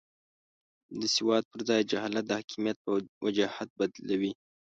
د سواد پر ځای جهالت د حاکمیت په وجاهت بدلوي.